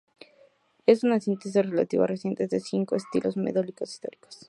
Es una síntesis relativamente reciente de cinco estilos melódicos históricos.